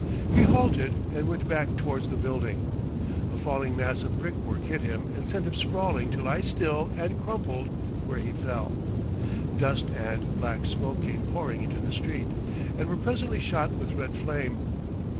He halted, and went back towards the building. A falling mass of brick work hit him and sent him sprawling to lie still and crumpled where he fell. Dust and black smoke came pouring into the street, and were presently shot with red flame....